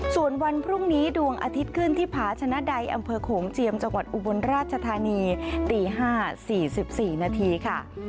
ส่วนวันพรุ่งนี้ดวงอาทิตย์ขึ้นที่ผาชนะใดอำเภอโขงเจียมจังหวัดอุบลราชธานีตี๕๔๔นาทีค่ะ